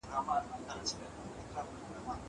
زه هره ورځ د کتابتوننۍ سره خبري کوم!